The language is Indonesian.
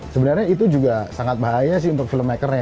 sebenernya itu juga sangat bahaya sih untuk film maker nya